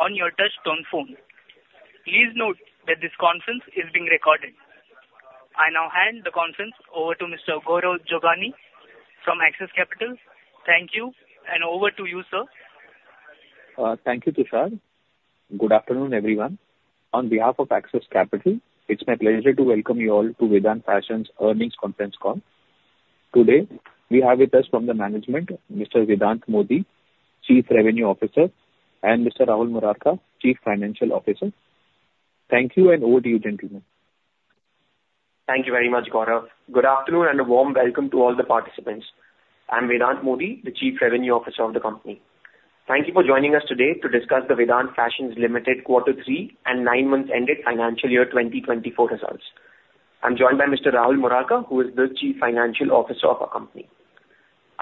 on your touchtone phone. Please note that this conference is being recorded. I now hand the conference over to Mr. Gaurav Jogani from Axis Capital. Thank you, and over to you, sir. Thank you, Tushar. Good afternoon, everyone. On behalf of Axis Capital, it's my pleasure to welcome you all to Vedant Fashions Earnings Conference Call. Today, we have with us from the management, Mr. Vedant Modi, Chief Revenue Officer, and Mr. Rahul Murarka, Chief Financial Officer. Thank you, and over to you, gentlemen. Thank you very much, Gaurav. Good afternoon, and a warm welcome to all the participants. I'm Vedant Modi, the Chief Revenue Officer of the company. Thank you for joining us today to discuss the Vedant Fashions Limited Quarter Three and Nine-month Ended Financial Year 2024 Results. I'm joined by Mr. Rahul Murarka, who is the Chief Financial Officer of our company.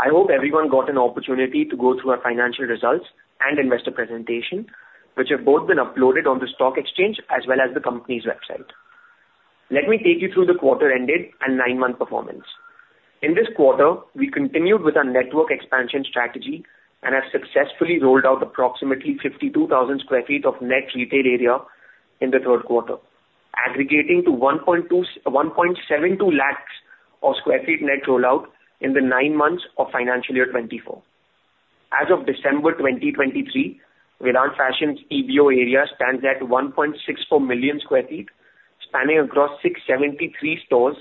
I hope everyone got an opportunity to go through our financial results and investor presentation, which have both been uploaded on the stock exchange as well as the company's website. Let me take you through the quarter ended and nine-month performance. In this quarter, we continued with our network expansion strategy and have successfully rolled out approximately 52,000 sq ft of net retail area in the third quarter, aggregating to 1.2--1.72 lakhs sq ft net rollout in the nine months of financial year 2024. As of December 2023, Vedant Fashions' EBO area stands at 1.64 million sq ft, spanning across 673 stores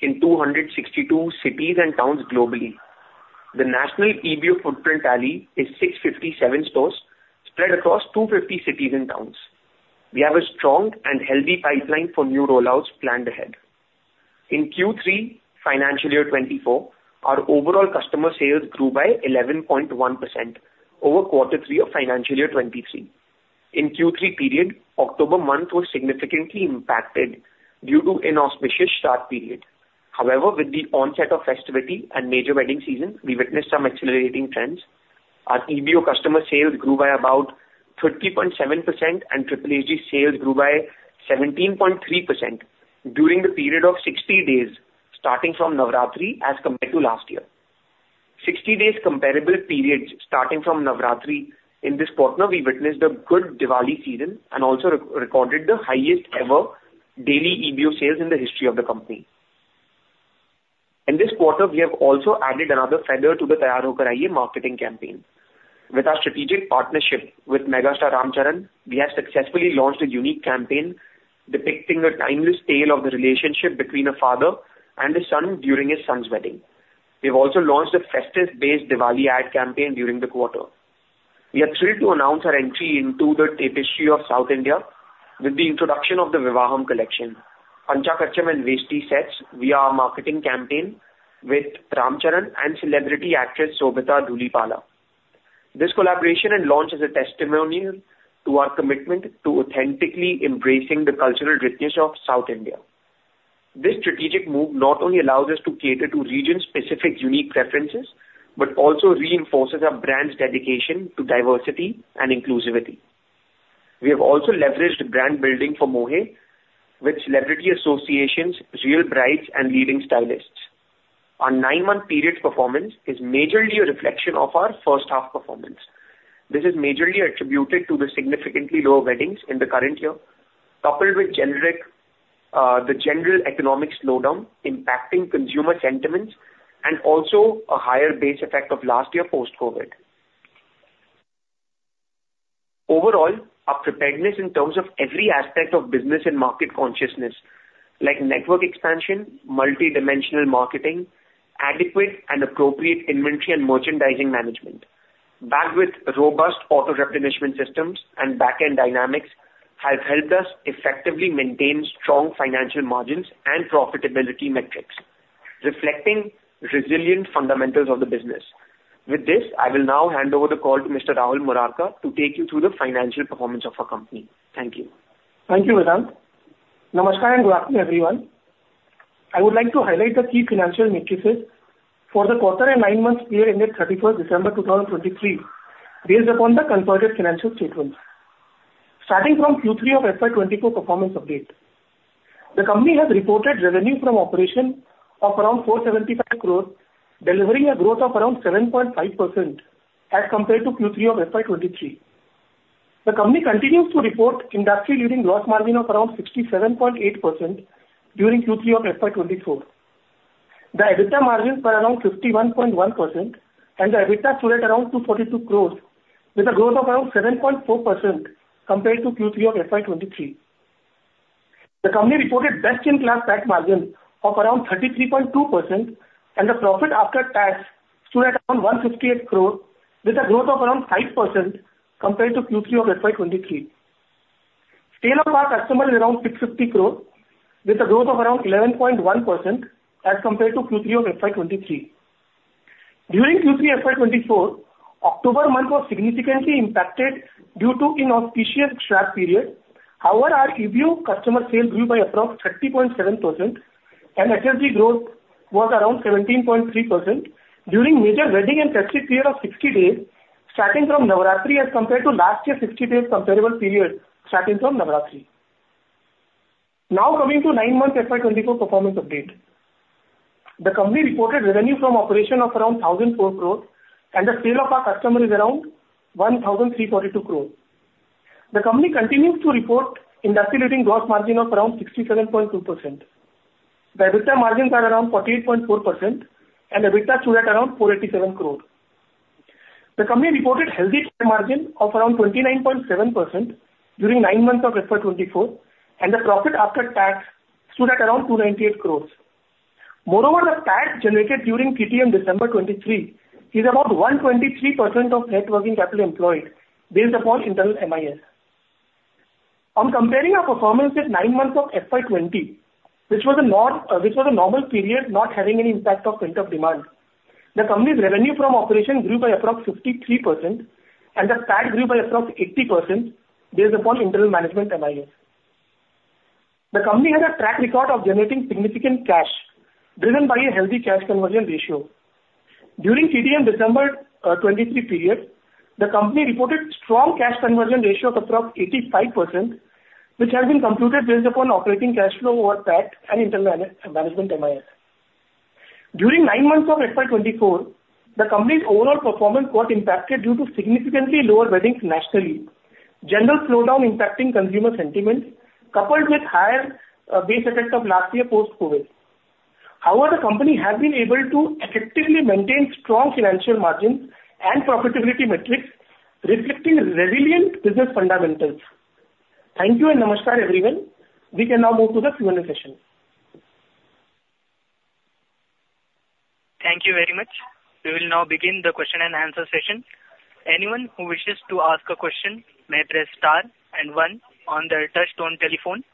in 262 cities and towns globally. The national EBO footprint tally is 657 stores spread across 250 cities and towns. We have a strong and healthy pipeline for new rollouts planned ahead. In Q3, financial year 2024, our overall customer sales grew by 11.1% over Q3 of financial year 2023. In Q3 period, October month was significantly impacted due to inauspicious Shradh period. However, with the onset of festivity and major wedding season, we witnessed some accelerating trends. Our EBO customer sales grew by about 30.7%, and SSG sales grew by 17.3% during the period of 60 days, starting from Navratri as compared to last year. 60 days comparable periods starting from Navratri, in this quarter, we witnessed a good Diwali season and also we recorded the highest ever daily EBO sales in the history of the company. In this quarter, we have also added another feather to the Taiyaar Ho Kar Aiye marketing campaign. With our strategic partnership with megastar Ram Charan, we have successfully launched a unique campaign depicting a timeless tale of the relationship between a father and a son during his son's wedding. We've also launched a festive-based Diwali ad campaign during the quarter. We are thrilled to announce our entry into the tapestry of South India with the introduction of the Vivaham collection, Panchakacham and Veshti sets via our marketing campaign with Ram Charan and celebrity actress, Sobhita Dhulipala. This collaboration and launch is a testimonial to our commitment to authentically embracing the cultural richness of South India. This strategic move not only allows us to cater to region-specific unique preferences, but also reinforces our brand's dedication to diversity and inclusivity. We have also leveraged brand building for Mohey with celebrity associations, real brides, and leading stylists. Our nine-month period performance is majorly a reflection of our first half performance. This is majorly attributed to the significantly lower weddings in the current year, coupled with generic, The general economic slowdown impacting consumer sentiments, and also a higher base effect of last year post-COVID. Overall, our preparedness in terms of every aspect of business and market consciousness, like network expansion, multidimensional marketing, adequate and appropriate inventory and merchandising management, backed with robust auto-replenishment systems and back-end dynamics, has helped us effectively maintain strong financial margins and profitability metrics, reflecting resilient fundamentals of the business. With this, I will now hand over the call to Mr. Rahul Murarka to take you through the financial performance of our company. Thank you. Thank you, Vedant. Namaskar, and good afternoon, everyone. I would like to highlight the key financial metrics for the quarter and nine months period ended 31st December 2023, based upon the consolidated financial statements. Starting from Q3 of FY 2024 performance update. The company has reported revenue from operation of around 475 crore, delivering a growth of around 7.5% as compared to Q3 of FY 2023. The company continues to report industry-leading gross margin of around 67.8% during Q3 of FY 2024. The EBITDA margins were around 51.1%, and the EBITDA stood at around 242 crore, with a growth of around 7.4% compared to Q3 of FY 2023. The company reported best-in-class PAT margin of around 33.2%, and the profit after tax stood at around 158 crores, with a growth of around 5% compared to Q3 of FY 2023. Sales to our customers is around 650 crores, with a growth of around 11.1% as compared to Q3 of FY 2023. During Q3 FY 2024, October month was significantly impacted due to inauspicious Shradh period. However, our EBO customer sales grew by approximately 30.7%, and SSG growth was around 17.3% during major wedding and festive period of 60 days, starting from Navratri, as compared to last year 60 days comparable period, starting from Navratri. ...Now coming to nine months FY 2024 performance update. The company reported revenue from operations of around 1,004 crore, and the sales to our customers is around 1,342 crore. The company continues to report industry-leading gross margin of around 67.2%. The EBITDA margins are around 48.4%, and EBITDA stood at around INR 487 crore. The company reported healthy margin of around 29.7% during nine months of FY 2024, and the profit after tax stood at around 298 crore. Moreover, the cash generated during LTM December 2023 is about 123% of net working capital employed based upon internal MIS. On comparing our performance with nine months of FY 2020, which was a normal period, not having any impact of pent-up demand, the company's revenue from operation grew by approximately 53% and the PAT grew by approximately 80% based upon internal management MIS. The company has a track record of generating significant cash, driven by a healthy cash conversion ratio. During LTM December 2023 period, the company reported strong cash conversion ratio of approximately 85%, which has been computed based upon operating cash flow over PAT and internal management MIS. During nine months of FY 2024, the company's overall performance got impacted due to significantly lower weddings nationally, general slowdown impacting consumer sentiment, coupled with higher base effect of last year post-COVID. However, the company has been able to effectively maintain strong financial margin and profitability metrics, reflecting resilient business fundamentals. Thank you, and namaskar, everyone. We can now move to the Q&A session. Thank you very much. We will now begin the question and answer session. Anyone who wishes to ask a question may press star and one on their touchtone telephone.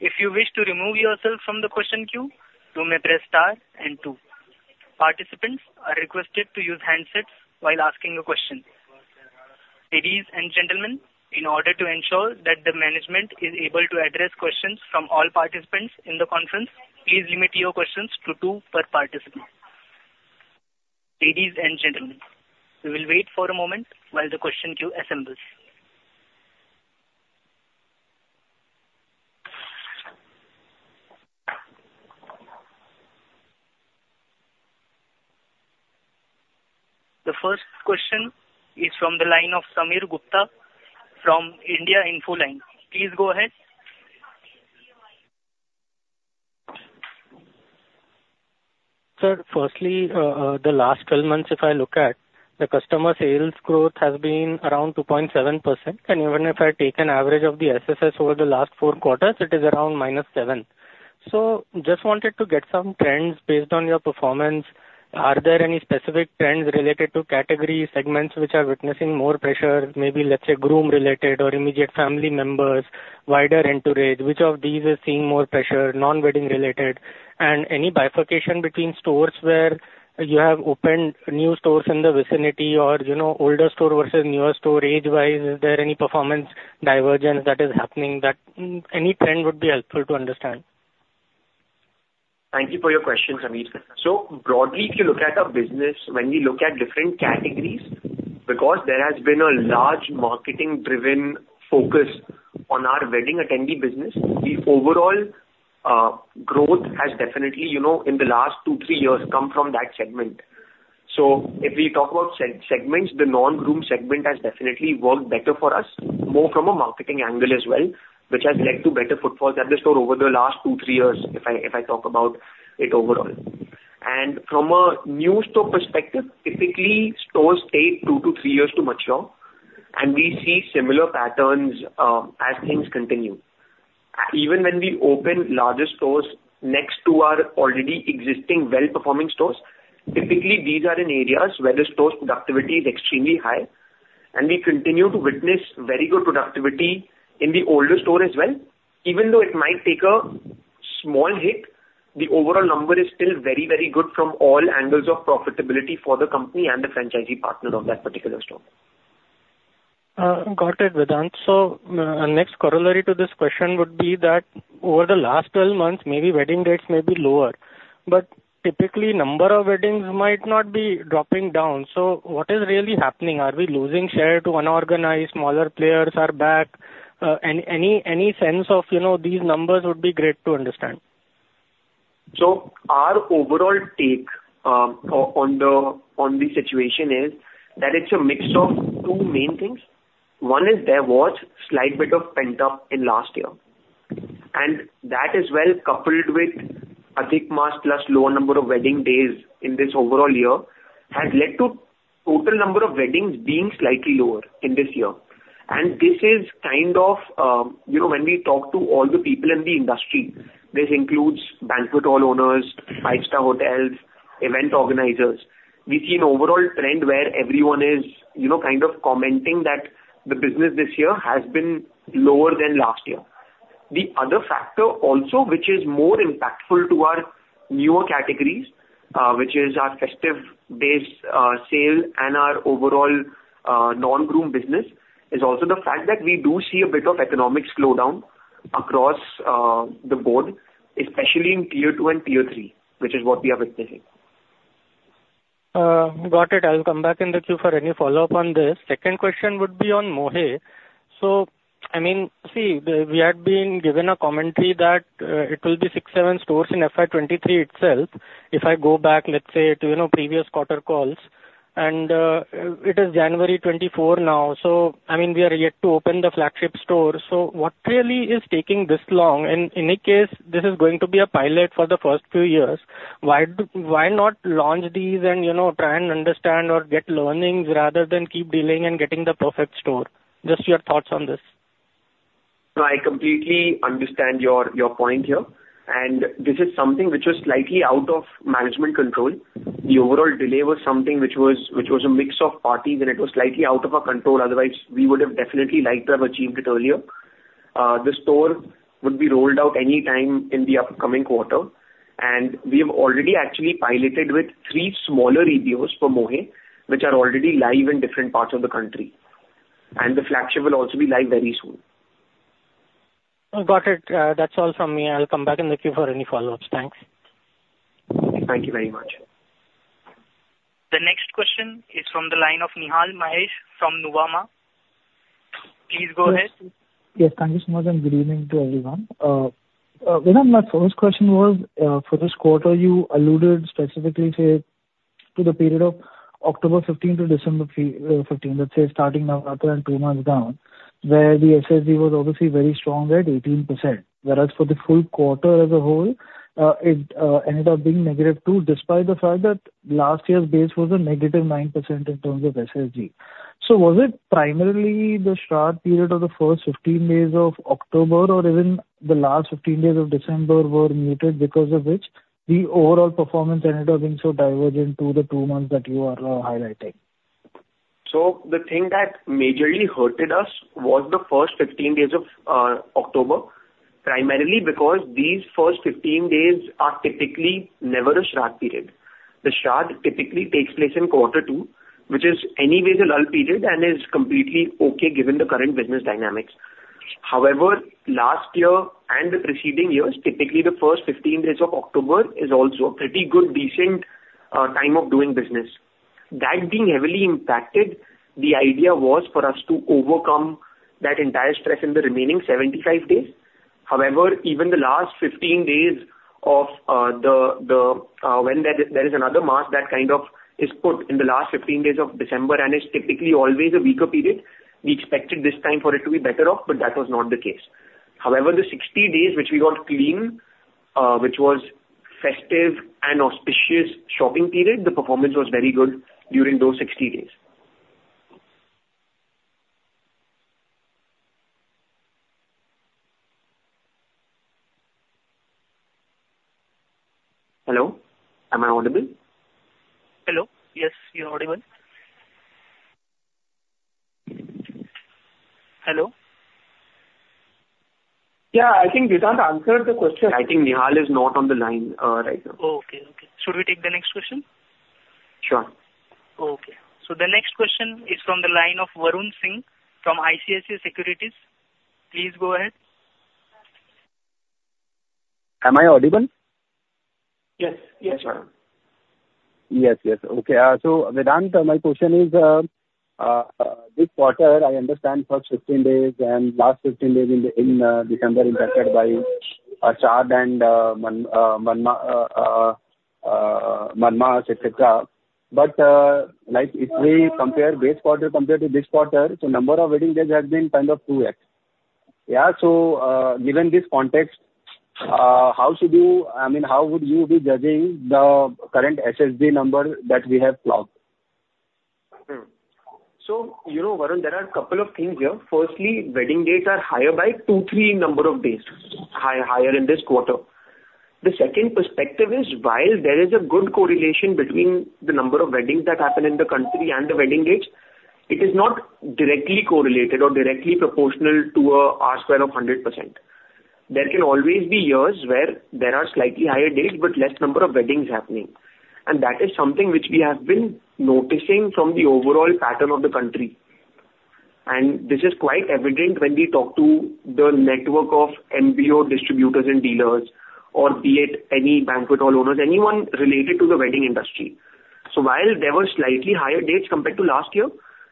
If you wish to remove yourself from the question queue, you may press star and two. Participants are requested to use handsets while asking a question. Ladies and gentlemen, in order to ensure that the management is able to address questions from all participants in the conference, please limit your questions to two per participant. Ladies and gentlemen, we will wait for a moment while the question queue assembles. The first question is from the line of Sameer Gupta from India Infoline. Please go ahead. Sir, firstly, the last 12 months if I look at, the customer sales growth has been around 2.7%, and even if I take an average of the SSS over the last four quarters, it is around -7%. So just wanted to get some trends based on your performance. Are there any specific trends related to category segments which are witnessing more pressure, maybe let's say, groom-related or immediate family members, wider entourage? Which of these are seeing more pressure, non-wedding related, and any bifurcation between stores where you have opened new stores in the vicinity or, you know, older store versus newer store, age-wise, is there any performance divergence that is happening, that, any trend would be helpful to understand? Thank you for your question, Samir. So broadly, if you look at our business, when we look at different categories, because there has been a large marketing-driven focus on our wedding attendee business, the overall growth has definitely, you know, in the last two to three years, come from that segment. So if we talk about segments, the non-groom segment has definitely worked better for us, more from a marketing angle as well, which has led to better footfalls at the store over the last two to three years, if I, if I talk about it overall. And from a new store perspective, typically stores take two to three years to mature, and we see similar patterns as things continue. Even when we open larger stores next to our already existing well-performing stores, typically these are in areas where the store's productivity is extremely high, and we continue to witness very good productivity in the older store as well. Even though it might take a small hit, the overall number is still very, very good from all angles of profitability for the company and the franchisee partners of that particular store. Got it, Vedant. So, next corollary to this question would be that over the last 12 months, maybe wedding dates may be lower, but typically number of weddings might not be dropping down. So what is really happening? Are we losing share to unorganized, smaller players are back? Any sense of, you know, these numbers would be great to understand. So our overall take on the situation is that it's a mix of two main things. One is there was a slight bit of pent-up in last year, and that as well, coupled with Adhik Mas plus lower number of wedding days in this overall year, has led to total number of weddings being slightly lower in this year. And this is kind of, you know, when we talk to all the people in the industry, this includes banquet hall owners, five-star hotels, event organizers, we see an overall trend where everyone is, you know, kind of commenting that the business this year has been lower than last year. The other factor also, which is more impactful to our newer categories, which is our festive-based sale and our overall non-groom business, is also the fact that we do see a bit of economic slowdown across the board, especially in Tier II and Tier III, which is what we are witnessing.... Got it. I'll come back in the queue for any follow-up on this. Second question would be on Mohey. So, I mean, see, we had been given a commentary that it will be six, seven stores in FY 2023 itself. If I go back, let's say, to, you know, previous quarter calls, and it is January 2024 now, so I mean, we are yet to open the flagship store. So what really is taking this long? And in any case, this is going to be a pilot for the first two years. Why do, why not launch these and, you know, try and understand or get learnings rather than keep dealing and getting the perfect store? Just your thoughts on this. I completely understand your point here, and this is something which was slightly out of management control. The overall delay was something which was a mix of parties, and it was slightly out of our control. Otherwise, we would have definitely liked to have achieved it earlier. The store would be rolled out any time in the upcoming quarter, and we have already actually piloted with three smaller EBOs for Mohey, which are already live in different parts of the country. And the flagship will also be live very soon. Got it. That's all from me, and I'll come back in the queue for any follow-ups. Thanks. Thank you very much. The next question is from the line of Nihal Mahesh from Nuvama. Please go ahead. Yes, thank you so much, and good evening to everyone. Vedant, my first question was, for this quarter, you alluded specifically, say, to the period of October 15 to December 15, let's say, starting Navratri and two months down, where the SSG was obviously very strong at 18%. Whereas for the full quarter as a whole, it ended up being -2%, despite the fact that last year's base was a -9% in terms of SSG. So was it primarily the sharp period of the first 15 days of October, or even the last 15 days of December were muted, because of which the overall performance ended up being so divergent to the two months that you are highlighting? The thing that majorly hurted us was the first 15 days of October, primarily because these first 15 days are typically never a Shradh period. The Shradh typically takes place in quarter two, which is anyways a lull period and is completely okay given the current business dynamics. However, last year and the preceding years, typically the first 15 days of October is also a pretty good, decent time of doing business. That being heavily impacted, the idea was for us to overcome that entire stretch in the remaining 75 days. However, even the last 15 days of the when there is another mark that kind of is put in the last 15 days of December, and it's typically always a weaker period. We expected this time for it to be better off, but that was not the case. However, the 60 days which we got clean, which was festive and auspicious shopping period, the performance was very good during those 60 days. Hello, am I audible? Hello? Yes, you're audible. Hello? Yeah, I think Vedant answered the question. I think Nihal is not on the line, right now. Oh, okay, okay. Should we take the next question? Sure. Okay. So the next question is from the line of Varun Singh from ICICI Securities. Please go ahead. Am I audible? Yes. Yes, Varun. Yes, yes. Okay, so, Vedant, my question is, this quarter, I understand for 15 days and last 15 days in the, in, December impacted by, Shradh and monsoon, et cetera. But, like if we compare this quarter compared to this quarter, so number of wedding days has been kind of 2x. Yeah, so, given this context, how should you... I mean, how would you be judging the current SSG number that we have clocked? Hmm. So, you know, Varun, there are a couple of things here. Firstly, wedding dates are higher by two, three number of days, higher in this quarter. The second perspective is, while there is a good correlation between the number of weddings that happen in the country and the wedding dates, it is not directly correlated or directly proportional to a R-square of 100%. There can always be years where there are slightly higher dates, but less number of weddings happening. And that is something which we have been noticing from the overall pattern of the country. And this is quite evident when we talk to the network of MBO distributors and dealers, or be it any banquet hall owners, anyone related to the wedding industry. So while there were slightly higher dates compared to last year,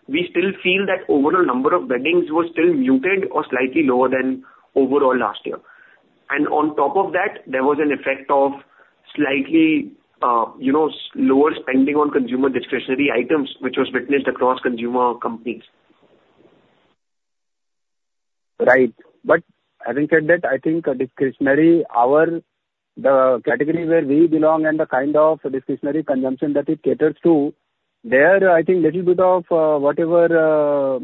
we still feel that overall number of weddings were still muted or slightly lower than overall last year. And on top of that, there was an effect of slightly, you know, lower spending on consumer discretionary items, which was witnessed across consumer companies. Right. But having said that, I think, discretionary, our, the category where we belong and the kind of discretionary consumption that it caters to, there, I think little bit of, whatever,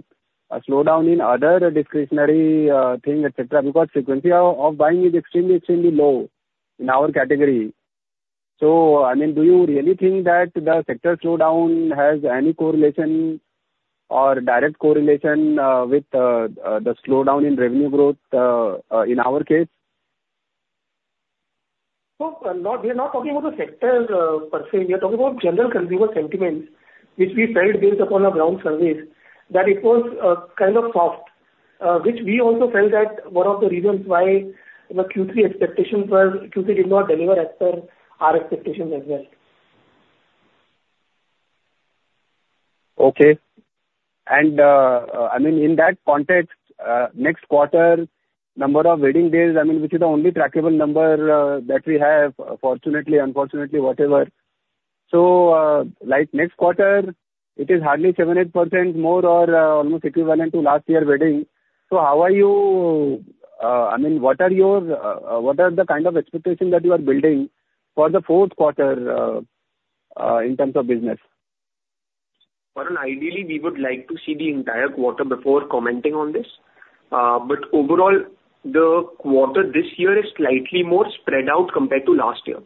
slowdown in other discretionary, thing, et cetera, because frequency of buying is extremely, extremely low in our category. So, I mean, do you really think that the sector slowdown has any correlation or direct correlation, with, the slowdown in revenue growth, in our case? No, not, we are not talking about the sector per se. We are talking about general consumer sentiments, which we felt built upon our ground surveys, that it was kind of soft, which we also felt that one of the reasons why the Q3 expectations were, Q3 did not deliver as per our expectations as well. Okay. And, I mean, in that context, next quarter number of wedding days, I mean, which is the only trackable number that we have, fortunately, unfortunately, whatever. So, like next quarter, it is hardly 7%-8% more or almost equivalent to last year wedding. So how are you, I mean, what are your, what are the kind of expectations that you are building for the fourth quarter in terms of business? Well, ideally, we would like to see the entire quarter before commenting on this. But overall, the quarter this year is slightly more spread out compared to last year.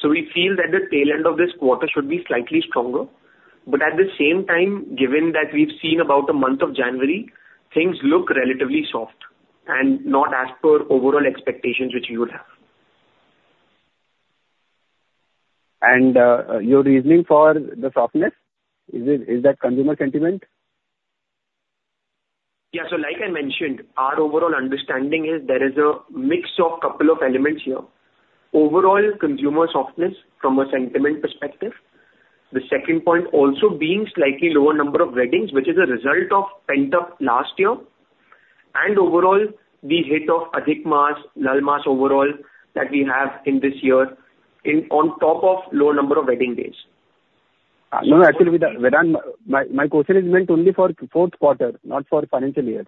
So we feel that the tail end of this quarter should be slightly stronger. But at the same time, given that we've seen about the month of January, things look relatively soft and not as per overall expectations, which you would have. Your reasoning for the softness, is it consumer sentiment? Yeah. So like I mentioned, our overall understanding is there is a mix of couple of elements here. Overall, consumer softness from a sentiment perspective. The second point also being slightly lower number of weddings, which is a result of pent up last year, and overall, the hit of Adhik Mas, Mal Mas overall, that we have in this year, in, on top of low number of wedding days. No, actually, with that, Vedant, my question is meant only for fourth quarter, not for financial year.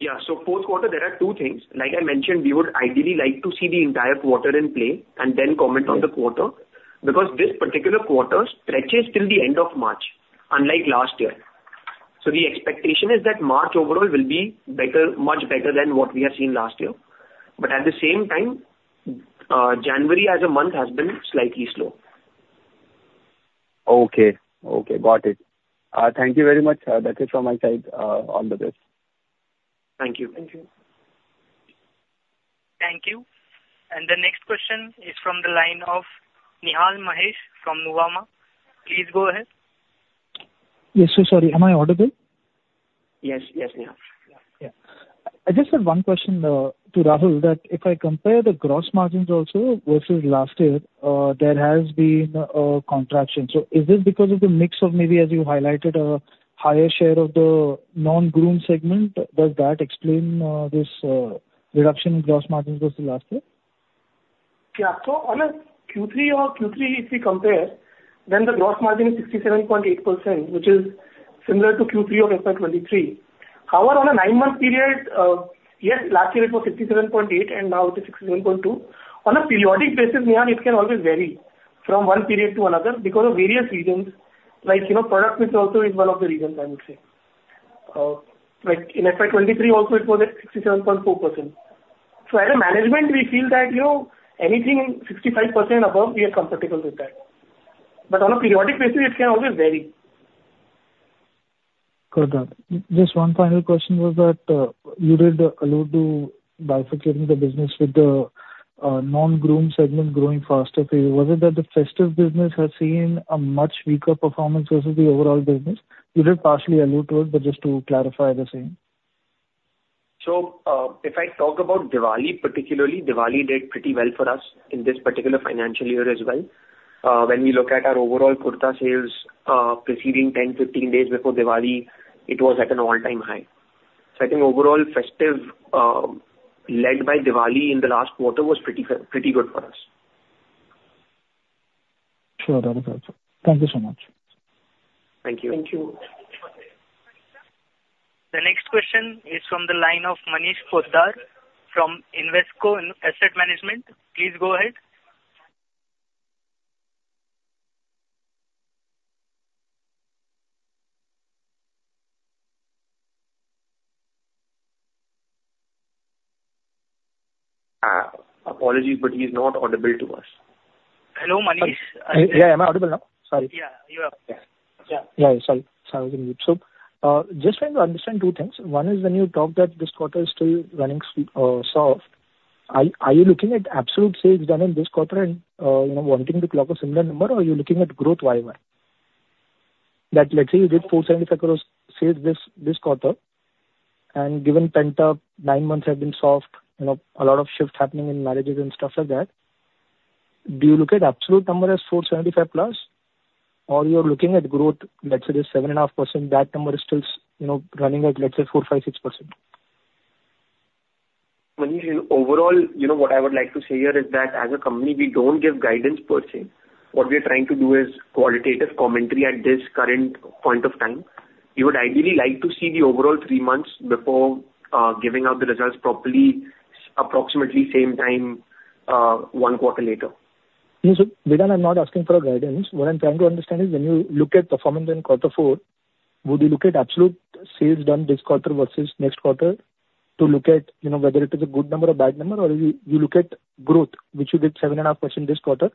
Yeah. So fourth quarter, there are two things. Like I mentioned, we would ideally like to see the entire quarter in play and then comment on the quarter- Yeah. - because this particular quarter stretches till the end of March, unlike last year. So the expectation is that March overall will be better, much better than what we have seen last year. But at the same time, January as a month has been slightly slow. Okay. Okay, got it. Thank you very much. That is from my side, on the this. Thank you. Thank you. Thank you. The next question is from the line of Nihal Mahesh from Nuvama. Please go ahead. Yes, so sorry, am I audible? Yes. Yes, Nihal. Yeah. I just have one question, to Rahul, that if I compare the gross margins also versus last year, there has been contraction. So is this because of the mix of maybe, as you highlighted, a higher share of the non-groom segment? Does that explain this reduction in gross margins versus last year? Yeah. So on a Q3 or Q3, if we compare, then the gross margin is 67.8%, which is similar to Q3 of FY 2023. However, on a nine-month period, yes, last year it was 67.8%, and now it is 67.2%. On a periodic basis, Nihal, it can always vary from one period to another because of various reasons, like, you know, product mix also is one of the reasons, I would say. Like in FY 2023 also, it was at 67.4%. So as a management, we feel that, you know, anything in 65% above, we are comfortable with that. But on a periodic basis, it can always vary. Got that. Just one final question was that, you did allude to bifurcating the business with the, non-groom segment growing faster. Was it that the festive business has seen a much weaker performance versus the overall business? You did partially allude to it, but just to clarify the same. So, if I talk about Diwali, particularly, Diwali did pretty well for us in this particular financial year as well. When we look at our overall kurta sales, preceding 10-15 days before Diwali, it was at an all-time high. So I think overall festive, led by Diwali in the last quarter, was pretty good, pretty good for us. Sure, that is all. Thank you so much. Thank you. Thank you. The next question is from the line of Manish Kalani from Invesco Asset Management. Please go ahead. Apologies, but he's not audible to us. Hello, Manish. Yeah, am I audible now? Sorry. Yeah, you are. Yeah. Yeah, sorry. Sorry. So, just trying to understand two things. One is, when you talk that this quarter is still running, soft, are, are you looking at absolute sales done in this quarter and, you know, wanting to clock a similar number, or are you looking at growth YY? That let's say you did 475 crore sales this, this quarter, and given pent up nine months have been soft, you know, a lot of shifts happening in marriages and stuff like that, do you look at absolute number as 475+ crore, or you're looking at growth, let's say the 7.5%, that number is still s- you know, running at, let's say, 4%, 5%, 6%? Manish, overall, you know, what I would like to say here is that as a company, we don't give guidance per se. What we are trying to do is qualitative commentary at this current point of time. You would ideally like to see the overall three months before, giving out the results properly, approximately same time, one quarter later. Yes. Vedant, I'm not asking for guidance. What I'm trying to understand is when you look at performance in quarter four, would you look at absolute sales done this quarter versus next quarter to look at, you know, whether it is a good number or bad number, or you look at growth, which you did 7.5% this quarter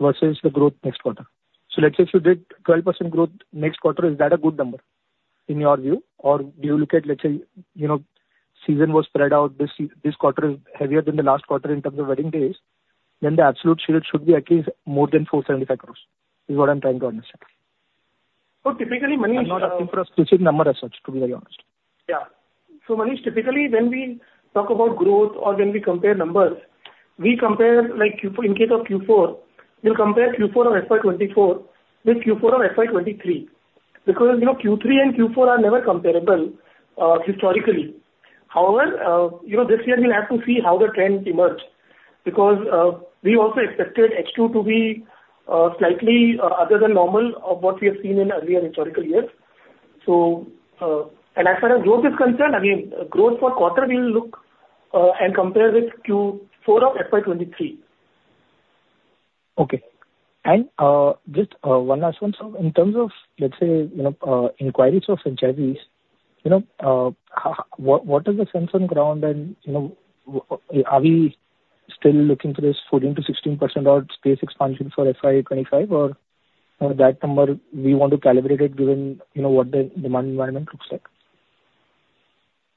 versus the growth next quarter? So let's say if you did 12% growth next quarter, is that a good number in your view? Or do you look at, let's say, you know, season was spread out, this quarter is heavier than the last quarter in terms of wedding days? Then the absolute sales should be at least more than 475 crore, is what I'm trying to understand. Typically, Manish- I'm not asking for a specific number as such, to be very honest. Yeah. So Manish, typically, when we talk about growth or when we compare numbers, we compare, like, Q4, in case of Q4, we'll compare Q4 of FY 2024 with Q4 of FY 2023, because, you know, Q3 and Q4 are never comparable, historically. However, you know, this year we'll have to see how the trends emerge, because, we also expected H2 to be, slightly, other than normal of what we have seen in earlier historical years. So, and as far as growth is concerned, I mean, growth for quarter, we'll look, and compare with Q4 of FY 2023. Okay. And, just, one last one, so in terms of, let's say, you know, inquiries of franchisees, you know, how, what, what is the sense on ground and, you know, are we still looking for this 14%-16% odd space expansion for FY 2025, or, or that number we want to calibrate it given, you know, what the demand environment looks like?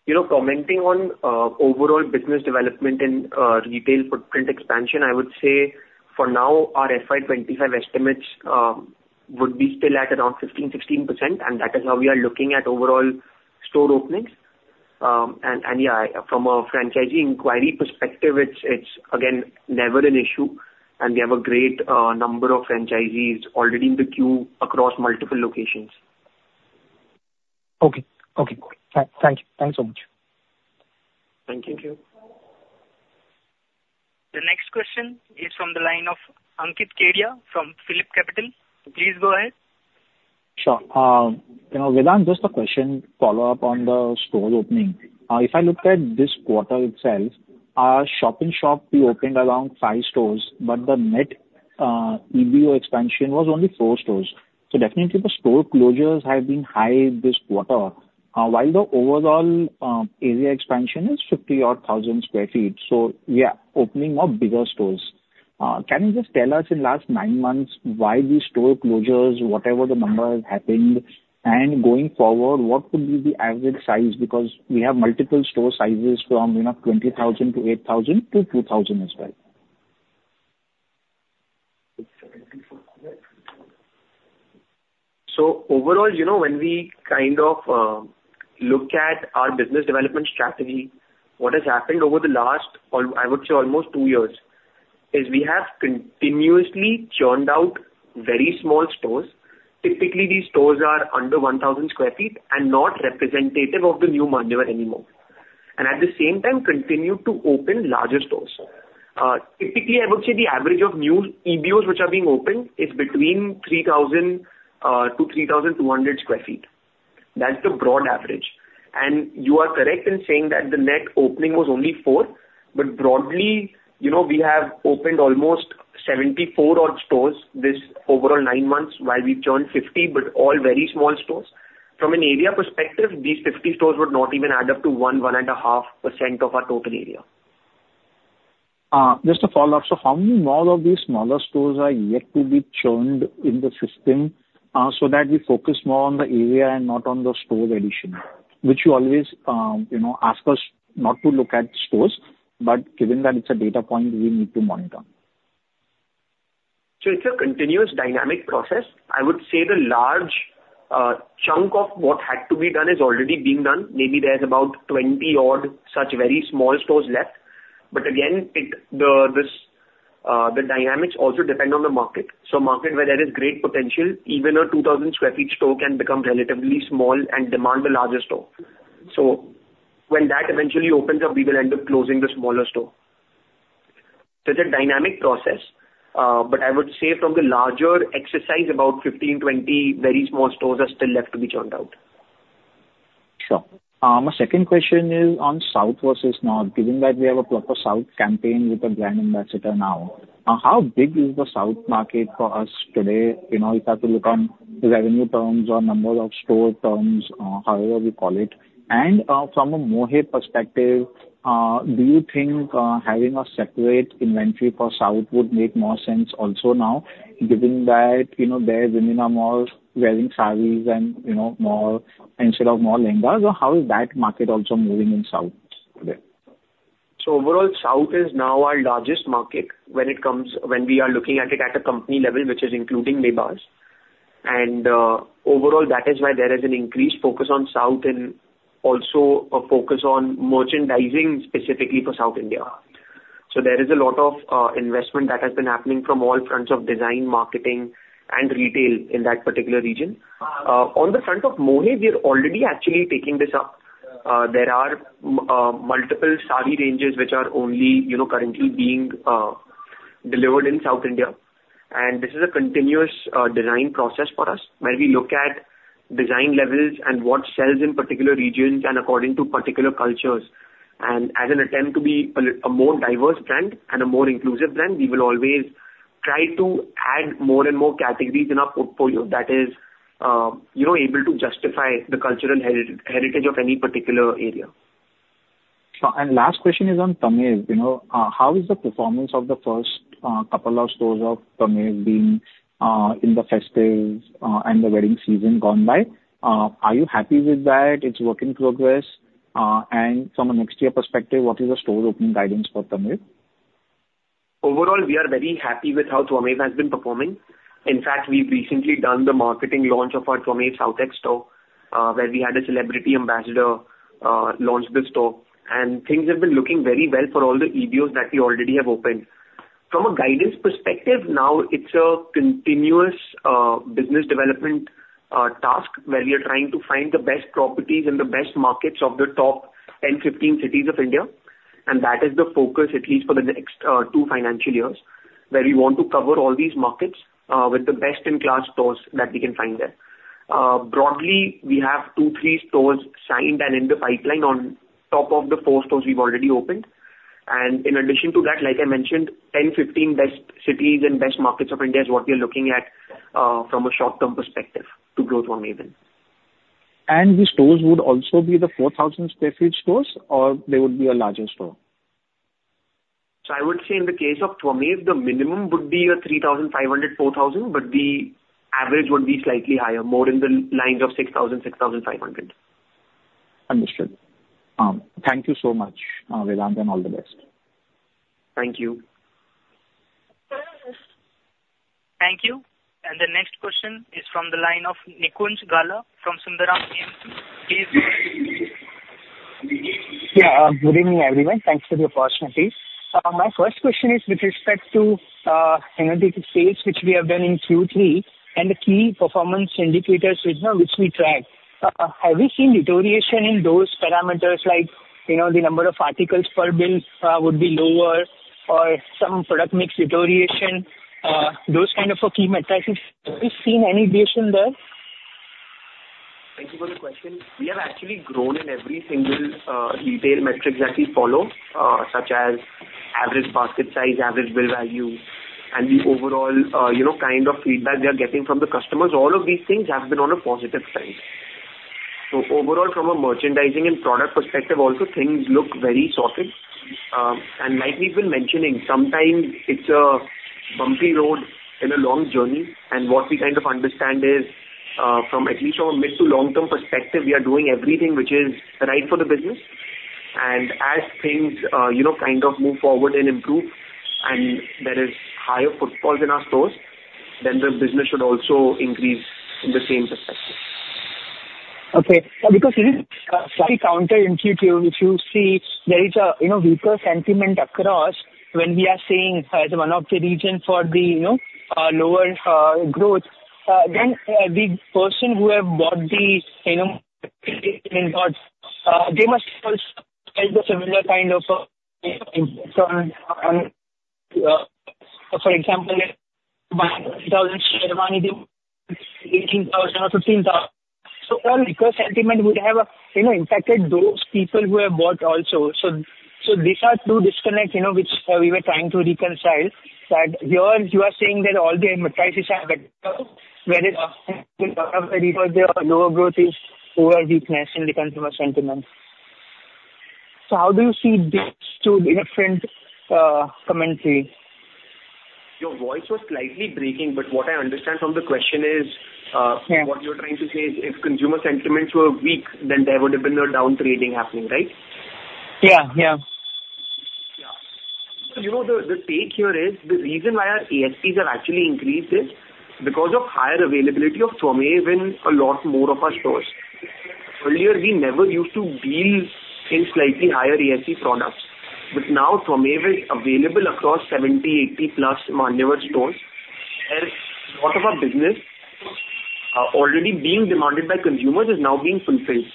You know, commenting on overall business development and retail footprint expansion, I would say for now, our FY 2025 estimates would be still at around 15%-16%, and that is how we are looking at overall store openings. Yeah, from a franchisee inquiry perspective, it's again never an issue, and we have a great number of franchisees already in the queue across multiple locations. Okay. Okay. Thank you. Thanks so much. Thank you. The next question is from the line of Ankit Kedia from PhillipCapital. Please go ahead. Sure. You know, Vedant, just a question follow-up on the store opening. If I looked at this quarter itself, our shop-in-shop, we opened around five stores, but the net EBO expansion was only four stores. So definitely the store closures have been high this quarter, while the overall area expansion is 50 odd thousand sq ft. So yeah, opening of bigger stores. Can you just tell us in last nine months, why these store closures, whatever the number has happened, and going forward, what could be the average size? Because we have multiple store sizes from, you know, 20,000 sq ft to 8,000 sq ft to 2,000 sq ft as well. Overall, you know, when we kind of look at our business development strategy, what has happened over the last, I would say almost two years, is we have continuously churned out very small stores. Typically, these stores are under 1,000 sq ft and not representative of the new Manyavar anymore, and at the same time continue to open larger stores. Typically, I would say the average of new EBOs which are being opened is between 3,000-3,200 sq ft. That's the broad average. And you are correct in saying that the net opening was only four, but broadly, you know, we have opened almost 74-odd stores this overall nine months, while we churned 50, but all very small stores. From an area perspective, these 50 stores would not even add up to 1%-1.5% of our total area. Just a follow-up. So how many more of these smaller stores are yet to be churned in the system, so that we focus more on the area and not on the store addition? Which you always, you know, ask us not to look at stores, but given that it's a data point, we need to monitor. It's a continuous dynamic process. I would say the large chunk of what had to be done is already being done. Maybe there's about 20-odd such very small stores left. But again, the dynamics also depend on the market. So market where there is great potential, even a 2,000 sq ft store can become relatively small and demand a larger store. So when that eventually opens up, we will end up closing the smaller store. So it's a dynamic process, but I would say from the larger exercise, about 15, 20 very small stores are still left to be churned out. Sure. My second question is on South versus North. Given that we have a proper South campaign with a brand ambassador now, how big is the South market for us today? You know, if I have to look on revenue terms or number of store terms, however we call it. And, from a Mohey perspective, do you think having a separate inventory for South would make more sense also now, given that, you know, their women are more wearing sarees and, you know, more, instead of more lehengas, or how is that market also moving in South today? So overall, South is now our largest market when it comes, when we are looking at it at a company level, which is including Mebaz. Overall, that is why there is an increased focus on South and also a focus on merchandising specifically for South India. So there is a lot of investment that has been happening from all fronts of design, marketing and retail in that particular region. On the front of Mohey, we are already actually taking this up. There are multiple sari ranges, which are only, you know, currently being delivered in South India. And this is a continuous design process for us, where we look at design levels and what sells in particular regions and according to particular cultures. As an attempt to be a little more diverse brand and a more inclusive brand, we will always try to add more and more categories in our portfolio that is, you know, able to justify the cultural heritage of any particular area. Sure. And last question is on Manthan. You know, how is the performance of the first couple of stores of Manthan being in the festives and the wedding season gone by? Are you happy with that? It's work in progress? And from a next year perspective, what is the store opening guidance for Twamev? Overall, we are very happy with how Twamev has been performing. In fact, we've recently done the marketing launch of our Twamev South Ex store, where we had a celebrity ambassador launch the store, and things have been looking very well for all the EBOs that we already have opened. From a guidance perspective, now it's a continuous business development task, where we are trying to find the best properties in the best markets of the top 10, 15 cities of India, and that is the focus, at least for the next two financial years, where we want to cover all these markets with the best-in-class stores that we can find there. Broadly, we have two, three stores signed and in the pipeline on top of the four stores we've already opened. In addition to that, like I mentioned, 10, 15 best cities and best markets of India is what we are looking at, from a short-term perspective to grow Twamev in. The stores would also be the 4,000 sq ft stores or they would be a larger store? I would say in the case of Twamev, the minimum would be 3,500-4,000, but the average would be slightly higher, more in the lines of 6,000-6,500. Understood. Thank you so much, Vedant, and all the best. Thank you. Thank you. And the next question is from the line of Nikunj Gala from Sundaram MF. Yeah, good evening, everyone. Thanks for the opportunity. My first question is with respect to EBO sales, which we have done in Q3, and the key performance indicators which we tracked. Have we seen deterioration in those parameters, like, you know, the number of articles per bill would be lower or some product mix deterioration? Those kind of key metrics, have we seen any deviation there? Thank you for the question. We have actually grown in every single, retail metric that we follow, such as average basket size, average bill value, and the overall, you know, kind of feedback we are getting from the customers. All of these things have been on a positive trend. So overall, from a merchandising and product perspective also, things look very sorted. And like we've been mentioning, sometimes it's a bumpy road in a long journey, and what we kind of understand is, from at least from a mid to long-term perspective, we are doing everything which is right for the business. And as things, you know, kind of move forward and improve, and there is higher footfall in our stores, then the business should also increase in the same perspective. Okay. Because it is slightly counterintuitive, if you see there is a, you know, weaker sentiment across, when we are saying as one of the reason for the, you know, lower growth, then the person who have bought the, you know, they must also felt a similar kind of... For example, 1,000 sherwani, 18,000 or 15,000. So all weaker sentiment would have, you know, impacted those people who have bought also. So, so these are two disconnect, you know, which we were trying to reconcile. That here you are saying that all the metrics have lower growth is overall weakness in the consumer sentiment. So how do you see these two different commentary? Your voice was slightly breaking, but what I understand from the question is. Yeah. What you're trying to say is, if consumer sentiments were weak, then there would have been a down trading happening, right? Yeah. Yeah. Yeah. You know, the take here is the reason why our ASPs are actually increased is because of higher availability of Twamev in a lot more of our stores. Earlier, we never used to deal in slightly higher ASP products, but now Twamev is available across 70, 80+ Manyavar stores, and a lot of our business already being demanded by consumers is now being fulfilled.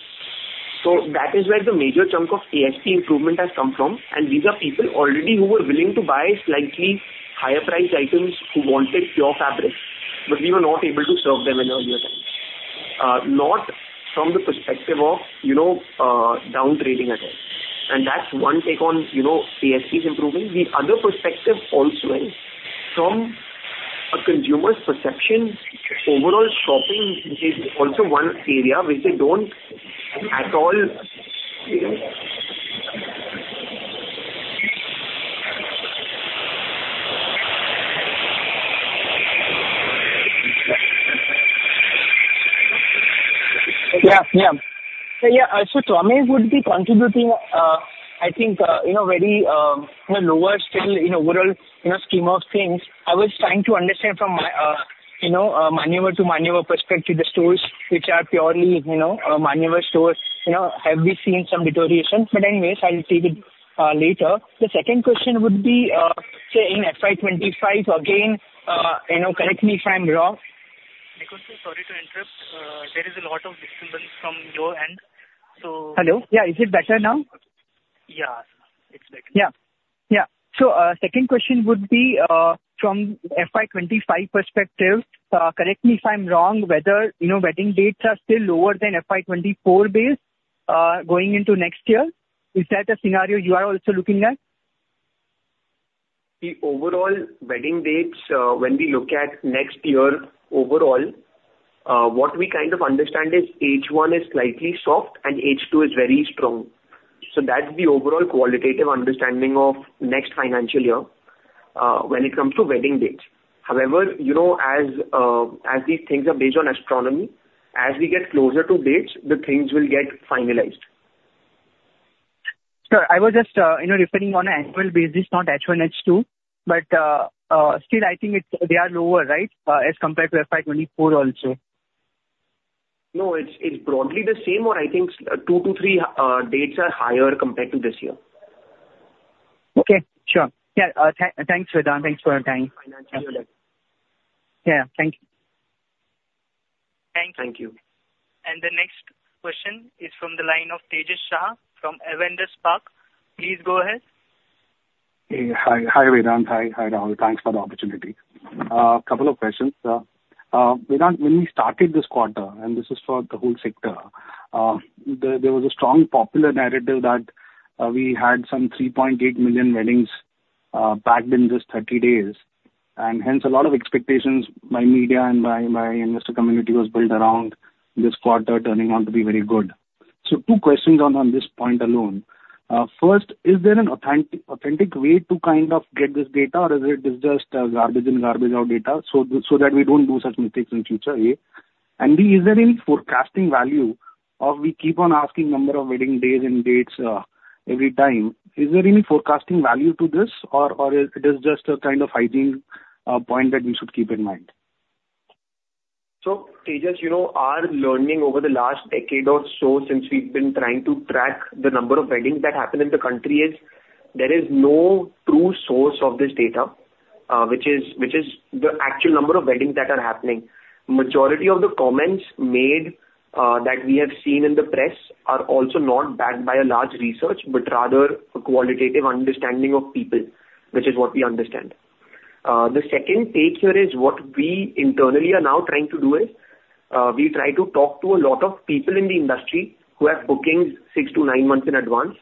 So that is where the major chunk of ASP improvement has come from, and these are people already who were willing to buy slightly higher priced items, who wanted pure fabric, but we were not able to serve them in earlier times. Not from the perspective of, you know, down trading at all. And that's one take on, you know, ASPs improving. The other perspective also is from a consumer's perception, overall, shopping is also one area which they don't at all... Yeah. Yeah. So, yeah, so Twamev would be contributing, I think, you know, very, you know, lower still, you know, overall, you know, scheme of things. I was trying to understand from my, you know, Manyavar to Manyavar perspective, the stores which are purely, you know, Manyavar stores, you know, have we seen some deterioration? But anyways, I'll see with, later. The second question would be, say, in FY 2025, again, you know, correct me if I'm wrong- Nikunj, sorry to interrupt. There is a lot of disturbance from your end, so- Hello? Yeah, is it better now? Yeah, it's better. Yeah. Yeah. So, second question would be, from FY 2025 perspective, correct me if I'm wrong, whether, you know, wedding dates are still lower than FY 2024 base, going into next year. Is that a scenario you are also looking at? The overall wedding dates, when we look at next year, overall, what we kind of understand is H1 is slightly soft and H2 is very strong. So that's the overall qualitative understanding of next financial year when it comes to wedding dates. However, you know, as these things are based on astronomy, as we get closer to dates, the things will get finalized. Sir, I was just, you know, referring on an annual basis, not H1, H2, but still I think it's, they are lower, right? As compared to FY 2024 also. No, it's, it's broadly the same, or I think two to three dates are higher compared to this year. Okay, sure. Yeah, thanks, Vedant. Thanks for your time. Thank you. Yeah, thank you. Thank you. Thank you. The next question is from the line of Tejas Shah from Avendus Spark. Please go ahead. Hey. Hi, hi, Vedant. Hi, hi, Rahul. Thanks for the opportunity. Couple of questions. Vedant, when we started this quarter, and this is for the whole sector, there was a strong popular narrative that we had some 3.8 million weddings packed in just 30 days, and hence a lot of expectations by media and by investor community was built around this quarter turning out to be very good. So two questions on this point alone. First, is there an authentic way to kind of get this data, or is it just garbage in, garbage out data, so that we don't do such mistakes in future, A? And B, is there any forecasting value, or we keep on asking number of wedding days and dates every time. Is there any forecasting value to this, or is it just a kind of hygiene point that we should keep in mind? So, Tejas, you know, our learning over the last decade or so, since we've been trying to track the number of weddings that happen in the country, is there is no true source of this data, which is, which is the actual number of weddings that are happening. Majority of the comments made that we have seen in the press are also not backed by a large research, but rather a qualitative understanding of people, which is what we understand. The second take here is what we internally are now trying to do is we try to talk to a lot of people in the industry who have bookings six to nine months in advance.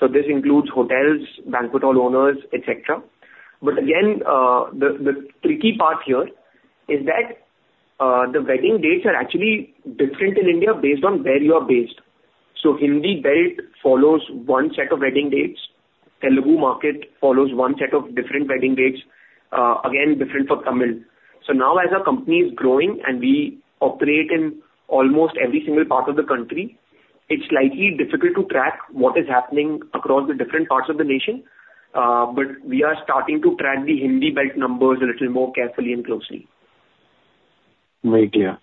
So this includes hotels, banquet hall owners, et cetera. But again, the, the tricky part here is that, the wedding dates are actually different in India based on where you are based. So Hindi belt follows one set of wedding dates, Telugu market follows one set of different wedding dates, again, different for Tamil. So now as our company is growing, and we operate in almost every single part of the country, it's slightly difficult to track what is happening across the different parts of the nation, but we are starting to track the Hindi belt numbers a little more carefully and closely. Right, yeah.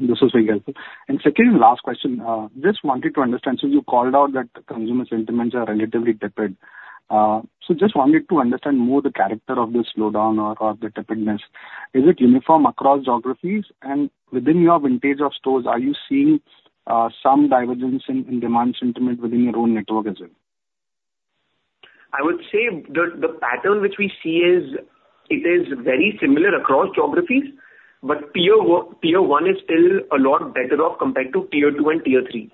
This is very helpful. And second and last question, just wanted to understand, so you called out that the consumer sentiments are relatively tepid. So just wanted to understand more the character of this slowdown or the tepidness. Is it uniform across geographies? And within your vintage of stores, are you seeing some divergence in demand sentiment within your own network as well? I would say the pattern which we see is it is very similar across geographies, but Tier I is still a lot better off compared to Tier II and Tier III.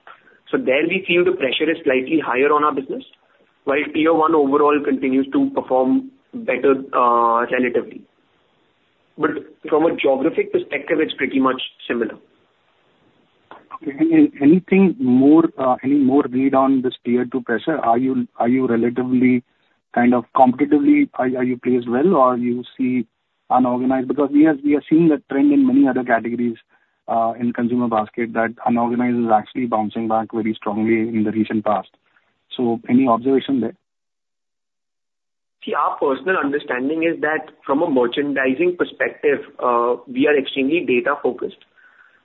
So there we feel the pressure is slightly higher on our business, while Tier I overall continues to perform better, relatively. But from a geographic perspective, it's pretty much similar. Okay. And anything more, any more read on this Tier II pressure? Are you, are you relatively, kind of competitively, are, are you placed well, or you see unorganized? Because we are, we are seeing that trend in many other categories, in consumer basket, that unorganized is actually bouncing back very strongly in the recent past. So, any observation there? See, our personal understanding is that from a merchandising perspective, we are extremely data-focused.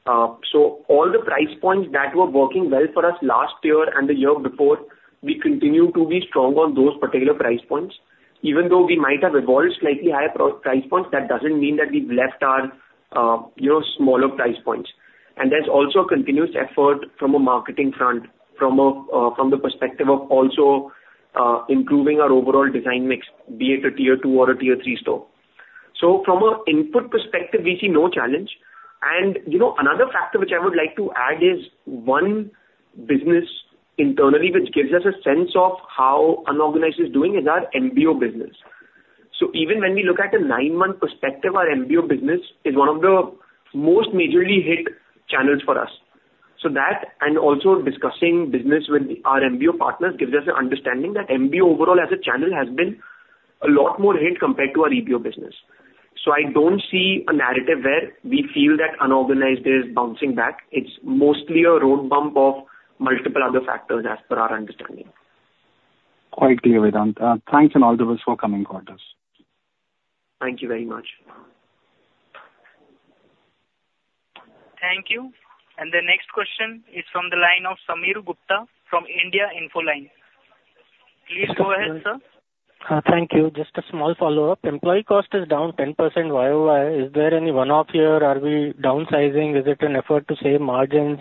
So all the price points that were working well for us last year and the year before, we continue to be strong on those particular price points. Even though we might have evolved slightly higher price points, that doesn't mean that we've left our, you know, smaller price points. And there's also a continuous effort from a marketing front, from the perspective of also improving our overall design mix, be it a Tier II or a Tier III store. So from an input perspective, we see no challenge. And, you know, another factor which I would like to add is, one business internally, which gives us a sense of how unorganized is doing, is our MBO business. Even when we look at a nine-month perspective, our MBO business is one of the most majorly hit channels for us. So that, and also discussing business with our MBO partners, gives us an understanding that MBO overall as a channel has been a lot more hit compared to our EBO business. So I don't see a narrative where we feel that unorganized is bouncing back. It's mostly a road bump of multiple other factors, as per our understanding. Quite clear, Vedant. Thanks and all the best for coming quarters. Thank you very much. Thank you. The next question is from the line of Sameer Gupta from India Infoline. Please go ahead, sir. Thank you. Just a small follow-up. Employee cost is down 10% YoY. Is there any one-off here? Are we downsizing? Is it an effort to save margins,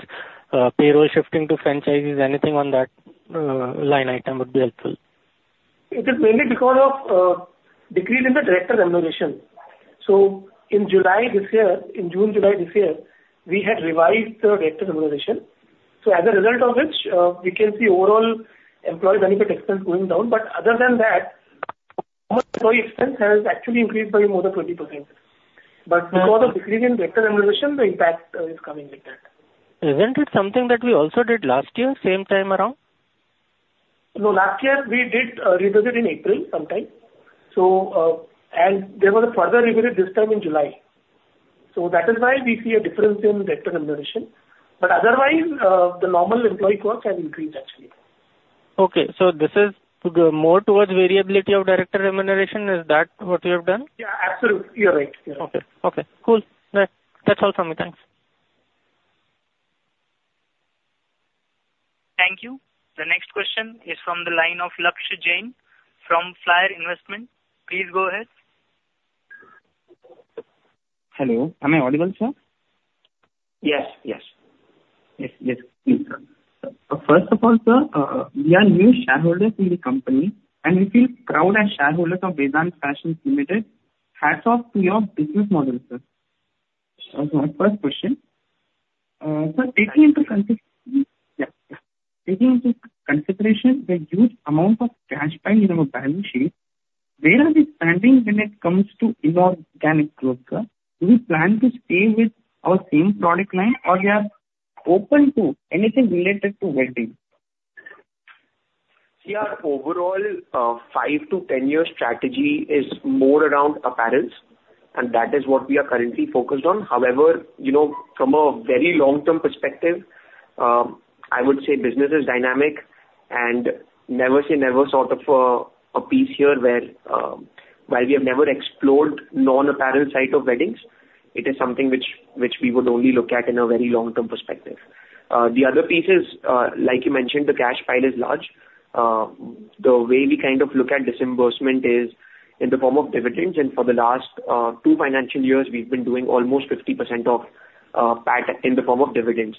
payroll shifting to franchises? Anything on that line item would be helpful. It is mainly because of decrease in the director remuneration. So in July this year, in June, July this year, we had revised the director remuneration. So as a result of which, we can see overall employee benefit expense going down, but other than that, employee expense has actually increased by more than 20%. But because of decrease in director remuneration, the impact is coming like that. Isn't it something that we also did last year, same time around?... So last year, we did a revisit in April sometime, so, and there was a further revisit this time in July. So that is why we see a difference in director remuneration. But otherwise, the normal employee costs have increased, actually. Okay, so this is more toward variability of director remuneration, is that what you have done? Yeah, absolutely. You're right. Yeah. Okay. Okay, cool. That, that's all for me. Thanks. Thank you. The next question is from the line of Lakshya Jain from Flyer Investment. Please go ahead. Hello, am I audible, sir? Yes, yes. Yes, yes, please, sir. First of all, sir, we are new shareholders in the company, and we feel proud as shareholders of Vedant Fashions Limited. Hats off to your business model, sir. So my first question, so taking into consideration the huge amount of cash pile in our balance sheet, where are we standing when it comes to inorganic growth, sir? Do we plan to stay with our same product line, or we are open to anything related to wedding? See, our overall five to 10-year strategy is more around apparels, and that is what we are currently focused on. However, you know, from a very long-term perspective, I would say business is dynamic and never say never sort of a piece here where, while we have never explored non-apparel side of weddings, it is something which, which we would only look at in a very long-term perspective. The other piece is, like you mentioned, the cash pile is large. The way we kind of look at disbursement is in the form of dividends, and for the last two financial years, we've been doing almost 50% of PAT in the form of dividends.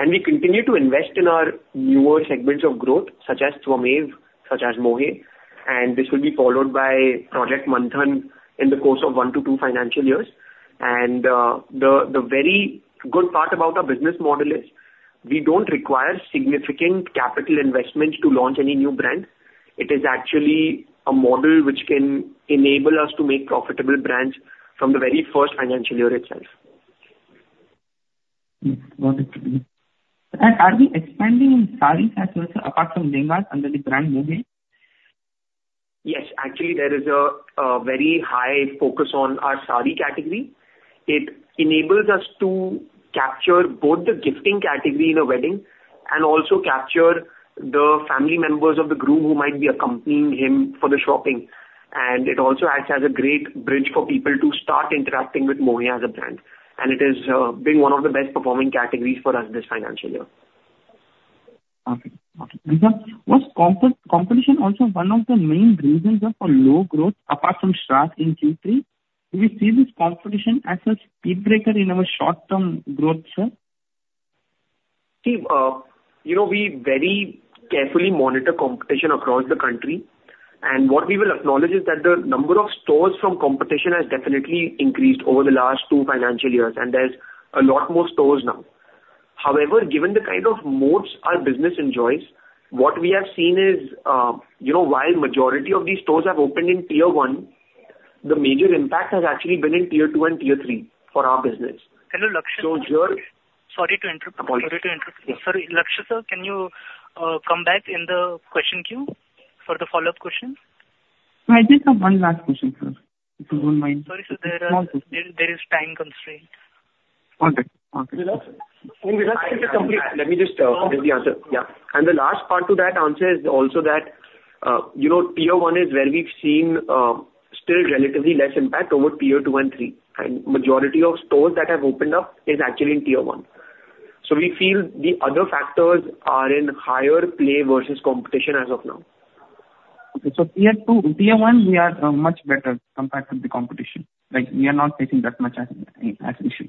We continue to invest in our newer segments of growth, such as Twamev, such as Mohey, and this will be followed by Project Manthan in the course of one to two financial years. The very good part about our business model is, we don't require significant capital investments to launch any new brand. It is actually a model which can enable us to make profitable brands from the very first financial year itself. Wonderful. Sir, are we expanding in saree category apart from lehenga under the brand Mohey? Yes. Actually, there is a very high focus on our saree category. It enables us to capture both the gifting category in a wedding and also capture the family members of the groom who might be accompanying him for the shopping. And it also acts as a great bridge for people to start interacting with Mohey as a brand, and it is being one of the best performing categories for us this financial year. Okay. Okay. Was competition also one of the main reasons for low growth, apart from Shradh in Q3? Do we see this competition as a speed breaker in our short-term growth, sir? See, you know, we very carefully monitor competition across the country, and what we will acknowledge is that the number of stores from competition has definitely increased over the last two financial years, and there's a lot more stores now. However, given the kind of moats our business enjoys, what we have seen is, you know, while majority of these stores have opened in Tier I, the major impact has actually been in Tier II and Tier III for our business. Hello, Lakshya- So your- Sorry to interrupt. Sorry to interrupt. Sorry, Lakshya, sir, can you come back in the question queue for the follow-up questions? No, I just have one last question, sir, if you don't mind. Sorry, sir, there are- Okay. There is time constraint. Okay. Okay. Let me just give the answer. Yeah, and the last part to that answer is also that, you know, Tier I is where we've seen still relatively less impact over Tier II and III, and majority of stores that have opened up is actually in Tier I. So we feel the other factors are in higher play versus competition as of now. Okay. So Tier II... Tier I, we are much better compared to the competition. Like, we are not facing that much as, as issue in Tier I.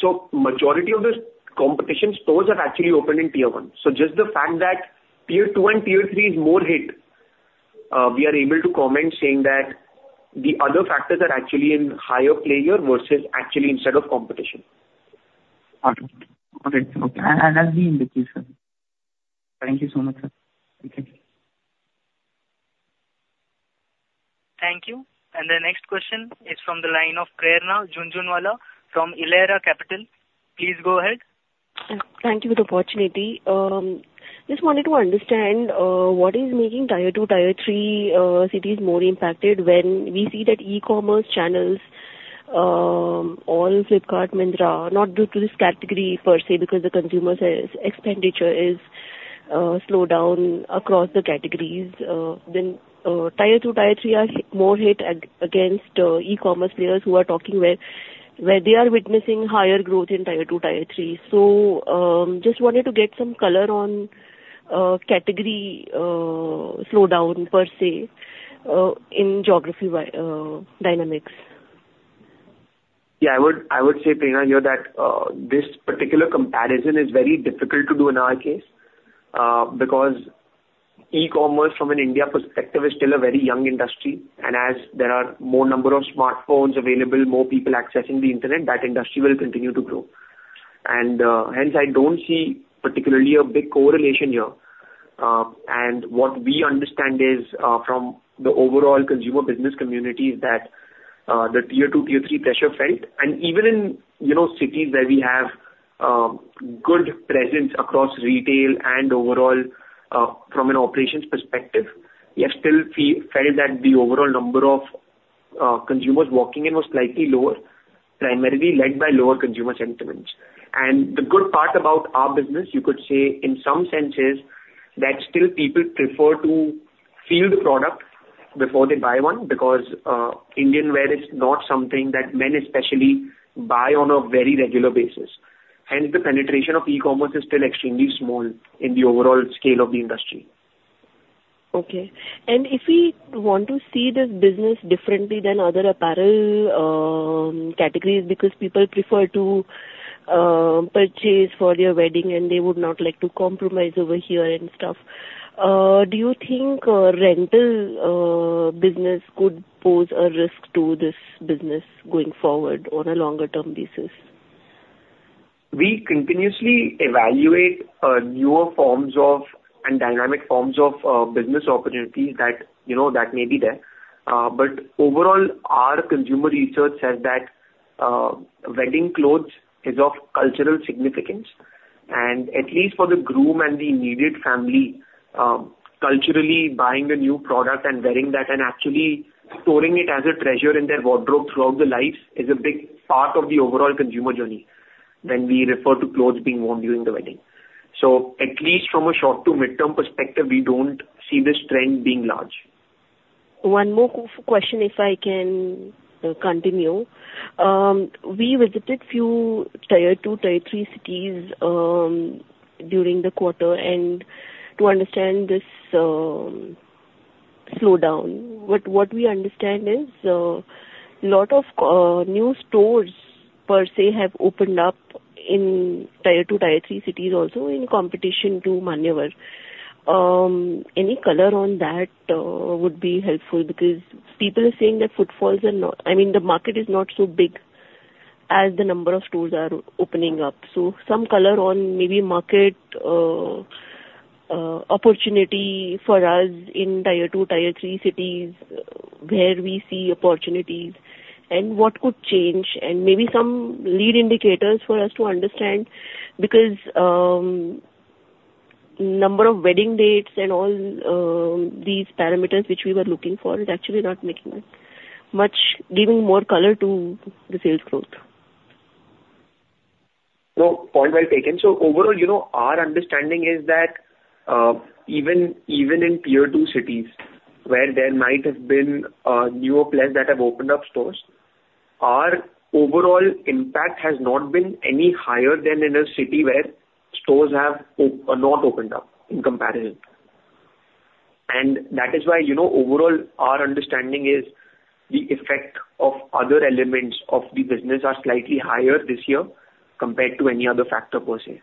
So majority of the competition stores have actually opened in Tier I. So just the fact that Tier II and Tier III is more hit, we are able to comment saying that the other factors are actually in higher play here versus actually instead of competition. Okay. Okay, okay. As we indicate, sir. Thank you so much, sir. Thank you. Thank you. The next question is from the line of Prerna Jhunjhunwala from Elara Capital. Please go ahead. Thank you for the opportunity. Just wanted to understand, what is making Tier II, Tier III, cities more impacted when we see that e-commerce channels, all Flipkart, Myntra, not due to this category per se, because the consumer's expenditure is, slowed down across the categories. Then, Tier II, Tier III are more hit against, e-commerce players who are talking where, where they are witnessing higher growth in Tier II, Tier III. So, just wanted to get some color on, category, slowdown per se, in geography dynamics. Yeah, I would say, Prerna, that this particular comparison is very difficult to do in our case because e-commerce from an India perspective is still a very young industry, and as there are more number of smartphones available, more people accessing the internet, that industry will continue to grow. And hence I don't see particularly a big correlation here. And what we understand is from the overall consumer business community that the Tier II, Tier III pressure felt, and even in, you know, cities where we have good presence across retail and overall from an operations perspective, we have still felt that the overall number of consumers walking in was slightly lower, primarily led by lower consumer sentiments. The good part about our business, you could say, in some sense is that still people prefer to feel the product before they buy one, because Indian wear is not something that men especially buy on a very regular basis, hence the penetration of e-commerce is still extremely small in the overall scale of the industry. Okay. And if we want to see this business differently than other apparel categories, because people prefer to purchase for their wedding, and they would not like to compromise over here and stuff, do you think a rental business could pose a risk to this business going forward on a longer term basis? We continuously evaluate newer forms of, and dynamic forms of, business opportunities that, you know, that may be there. But overall, our consumer research says that wedding clothes is of cultural significance, and at least for the groom and the immediate family, culturally buying a new product and wearing that and actually storing it as a treasure in their wardrobe throughout their lives, is a big part of the overall consumer journey when we refer to clothes being worn during the wedding. So at least from a short to mid-term perspective, we don't see this trend being large. One more question, if I can continue. We visited few Tier II, Tier III cities during the quarter, and to understand this slowdown. What we understand is a lot of new stores per se have opened up in Tier II, Tier III cities, also in competition to Manyavar. Any color on that would be helpful because people are saying that footfalls are not... I mean, the market is not so big as the number of stores are opening up. So some color on maybe market opportunity for us in Tier II, Tier III cities, where we see opportunities and what could change, and maybe some lead indicators for us to understand. Because number of wedding dates and all these parameters which we were looking for is actually not making much, giving more color to the sales growth. No, point well taken. So overall, you know, our understanding is that, even, even in Tier II cities, where there might have been newer players that have opened up stores, our overall impact has not been any higher than in a city where stores have not opened up, in comparison. And that is why, you know, overall, our understanding is the effect of other elements of the business are slightly higher this year compared to any other factor per se.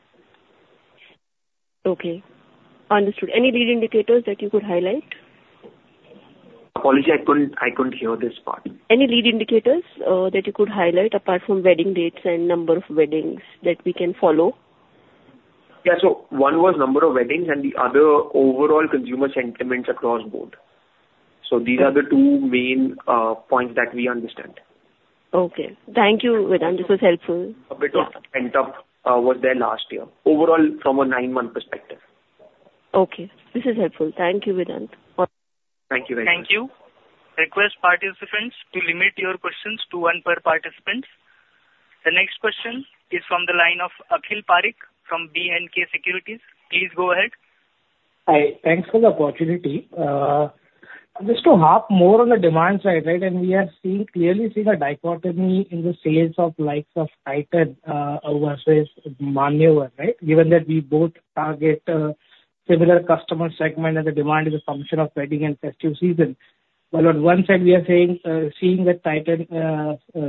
Okay, understood. Any lead indicators that you could highlight? Apology, I couldn't hear this part. Any lead indicators, that you could highlight apart from wedding dates and number of weddings that we can follow? Yeah. So one was number of weddings, and the other, overall consumer sentiments across board. So these are the two main points that we understand. Okay. Thank you, Vedant, this was helpful. A bit of a pent-up was there last year. Overall, from a nine-month perspective. Okay, this is helpful. Thank you, Vedant. Thank you very much. Thank you. Request participants to limit your questions to one per participant. The next question is from the line of Akhil Parekh, from B&K Securities. Please go ahead. Hi. Thanks for the opportunity. Just to harp more on the demand side, right, and we are seeing, clearly seeing a dichotomy in the sales of likes of Titan versus Manyavar, right? Given that we both target similar customer segment, and the demand is a function of wedding and festive season. Well, on one side, we are seeing that Titan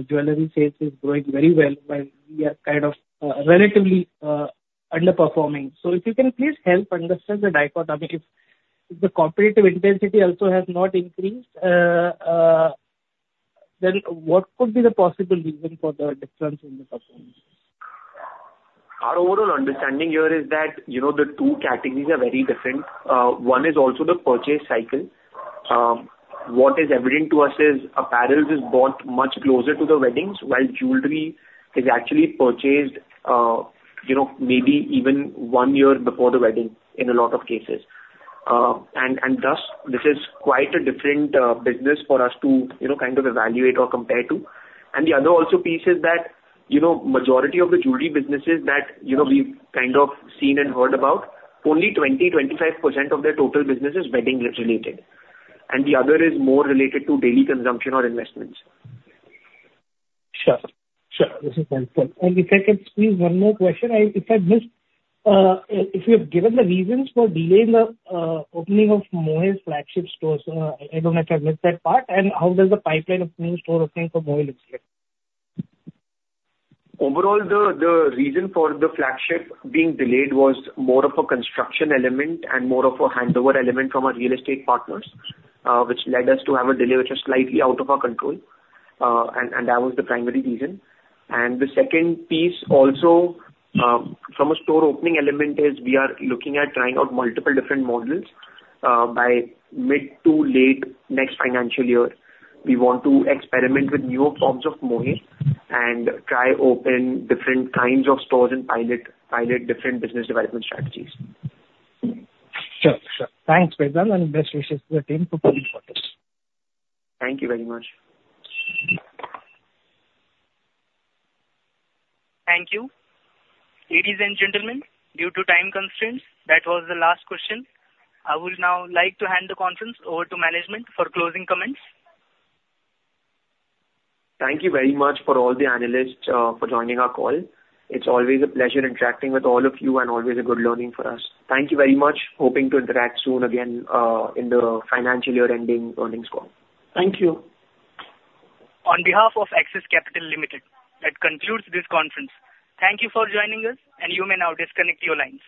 jewelry sales is growing very well, but we are kind of relatively underperforming. So if you can please help understand the dichotomy. If the competitive intensity also has not increased, then what could be the possible reason for the difference in the performance? Our overall understanding here is that, you know, the two categories are very different. One is also the purchase cycle. What is evident to us is apparels is bought much closer to the weddings, while jewelry is actually purchased, you know, maybe even one year before the wedding in a lot of cases. And thus, this means this is quite a different business for us to, you know, kind of evaluate or compare to. The other piece is that, you know, majority of the jewelry businesses that, you know, we've kind of seen and heard about, only 20%-25% of their total business is wedding related, and the other is more related to daily consumption or investments. Sure. Sure, this is helpful. And if I can squeeze one more question. If I missed if you have given the reasons for delay in the opening of Mohey's flagship stores. I don't know if I missed that part, and how does the pipeline of new store opening for Mohey look like? Overall, the reason for the flagship being delayed was more of a construction element and more of a handover element from our real estate partners, which led us to have a delay, which was slightly out of our control. And that was the primary reason. The second piece also, from a store opening element, is we are looking at trying out multiple different models. By mid to late next financial year, we want to experiment with newer forms of Mohey and try open different kinds of stores and pilot different business development strategies. Sure. Sure. Thanks, Vedant, and best wishes to the team for coming quarters. Thank you very much. Thank you. Ladies and gentlemen, due to time constraints, that was the last question. I would now like to hand the conference over to management for closing comments. Thank you very much for all the analysts for joining our call. It's always a pleasure interacting with all of you and always a good learning for us. Thank you very much. Hoping to interact soon again in the financial year ending earnings call. Thank you. On behalf of Axis Capital Limited, that concludes this conference. Thank you for joining us, and you may now disconnect your lines.